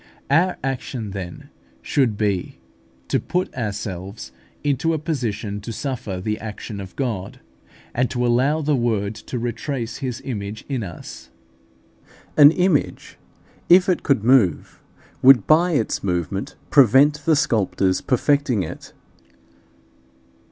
Our action then should be, to put ourselves into a position to suffer the action of God, and to allow the Word to retrace His image in us. An image, if it could move, would by its movement prevent the sculptor's perfecting it.